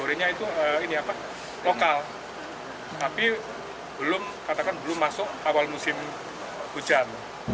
hore horenya itu lokal tapi katakan belum masuk awal musim hujan